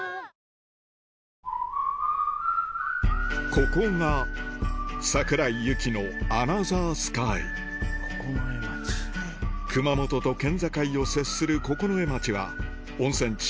ここが桜井ユキのアナザースカイ熊本と県境を接する九重町は温泉地